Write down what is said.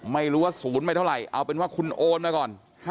ไม่รู้ว่าศูนย์ไม่เท่าไหร่เอาเป็นว่าคุณโอนมาก่อน